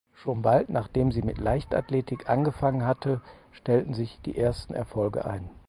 Schon bald nachdem sie mit Leichtathletik angefangen hatte stellten sich die ersten Erfolge ein.